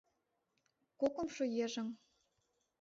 Кокымшо йыжыҥ